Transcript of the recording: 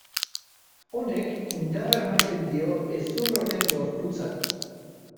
Honek, indarra ematen dio hezur honen gorputzari.